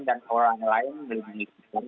dan orang lain melindungi kita